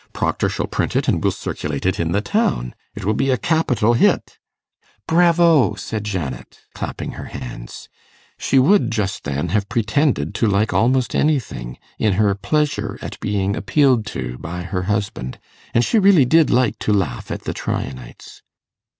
Proctor shall print it, and we'll circulate it in the town. It will be a capital hit.' 'Bravo!' said Janet, clapping her hands. She would just then have pretended to like almost anything, in her pleasure at being appealed to by her husband, and she really did like to laugh at the Tryanites.